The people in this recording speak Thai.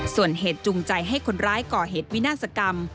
ส่วนเหตุจูงใจให้คนร้ายก่อเหตุวินาศกรรม